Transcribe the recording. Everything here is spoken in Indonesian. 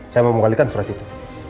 saya mau menggalikan surat itu